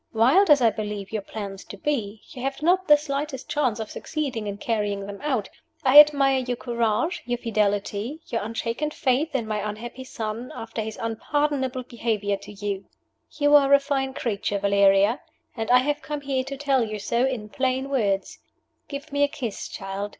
Wild as I believe your plans to be you have not the slightest chance of succeeding in carrying them out I admire your courage, your fidelity, your unshaken faith in my unhappy son, after his unpardonable behavior to you. You are a fine creature, Valeria, and I have come here to tell you so in plain words. Give me a kiss, child.